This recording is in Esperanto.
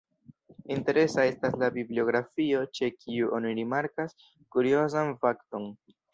Interesa estas la bibliografio, ĉe kiu oni rimarkas kuriozan fakton.